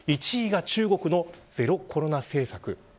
１位が中国のゼロ・コロナ政策。